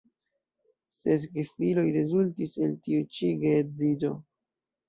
Ses gefiloj rezultis el tiu ĉi geedziĝo.